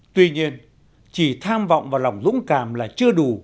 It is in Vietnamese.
tuy nhiên chỉ tham vọng và lòng dũng cảm là chưa đủ